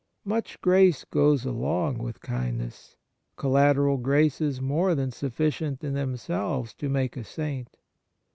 Much grace goes along wath kindness, collateral graces more than sufficient in themselves to make a saint.